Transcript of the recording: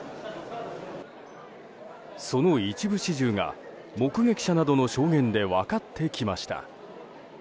その一部始終が目撃者などの証言で分かってきました。